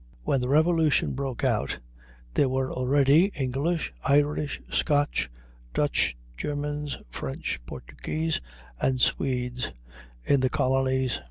When the Revolution broke out, there were already English, Irish, Scotch, Dutch, Germans, French, Portuguese, and Swedes in the colonies.